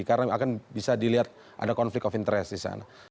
karena akan bisa dilihat ada konflik of interest di sana